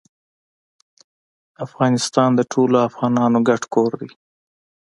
افغانستان د ټولو افغانانو ګډ کور دی